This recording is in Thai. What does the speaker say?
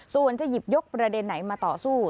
ส่วนจะหยิบยกประเด็นไหนมาต่อสู้